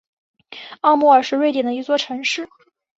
奥莫尔是瑞典的一座城市。